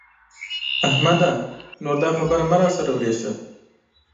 احمده! نور دا خبره مه را سره ورېشه.